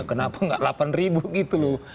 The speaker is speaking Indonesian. kenapa nggak delapan ribu gitu loh